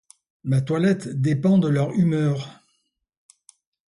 Ma toilette dépend de leur humeur.